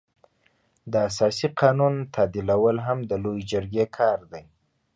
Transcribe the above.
د اساسي قانون تعدیلول هم د لويې جرګې کار دی.